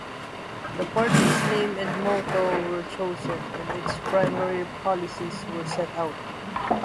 The party's name and motto were chosen, and its primary policies were set out.